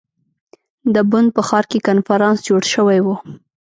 د بن په ښار کې کنفرانس جوړ شوی ؤ.